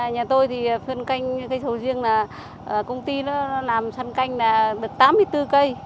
nhà tôi thì phân canh cây sầu riêng là công ty nó làm săn canh là được tám mươi bốn cây